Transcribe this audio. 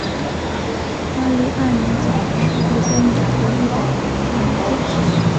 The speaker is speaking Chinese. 万历二年甲戌科第三甲第一百零二名进士。